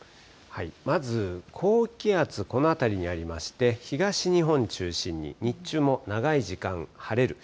まず高気圧、この辺りにありまして、東日本中心に日中も長い時間晴れる。